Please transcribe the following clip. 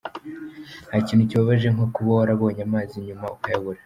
Nta kintu kibabaje nko kuba warabonye amazi nyuma ukayabura.